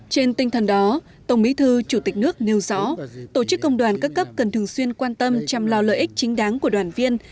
trên tinh thần đó tổng bí thư chủ tịch nước nêu rõ tổ chức công đoàn các cấp cần thường xuyên quan tâm chăm lo lợi ích chính đáng của đoàn viên